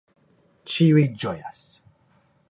Ĉiuj ĝojas.